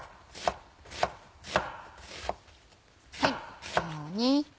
このように。